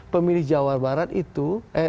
pemilih jawa barat itu